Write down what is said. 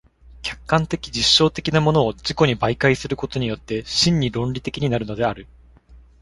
客観的実証的なものを自己に媒介することによって真に論理的になるのである。